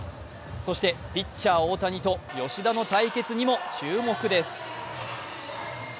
そして、ピッチャー・大谷と吉田の対決にも注目です。